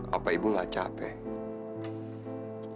apa ibu gak capek